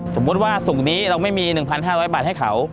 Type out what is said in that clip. สมมุติว่าส่งนี้เราไม่มี๑๕๐๐บาทให้เขา